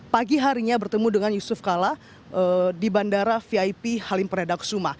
pagi harinya bertemu dengan yusuf kala di bandara vip halim peredaksuma